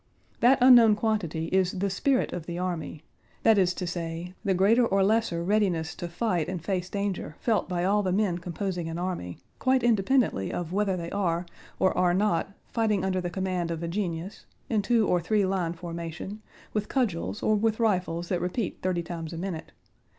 That unknown quantity is the spirit of the army, that is to say, the greater or lesser readiness to fight and face danger felt by all the men composing an army, quite independently of whether they are, or are not, fighting under the command of a genius, in two—or three line formation, with cudgels or with rifles that repeat thirty times a minute.